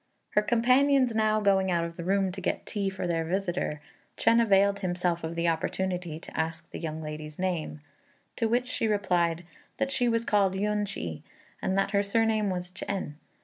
Her companions now going out of the room to get tea for their visitor, Chên availed himself of the opportunity to ask the young lady's name; to which she replied that she was called Yün ch'i, and that her surname was Ch'ên.